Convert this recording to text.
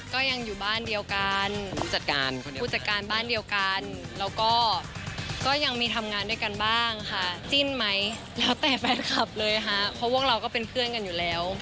ก็ยังอยู่บ้านเดียวกันผู้จัดการคนเดียวผู้จัดการบ้านเดียวกันแล้วก็ยังมีทำงานด้วยกันบ้างค่ะจิ้นไหมแล้วแต่แฟนคลับเลยค่ะเพราะพวกเราก็เป็นเพื่อนกันอยู่แล้ว